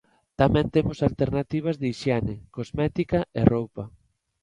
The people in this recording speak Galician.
Tamén temos alternativas de hixiene, cosmética e roupa.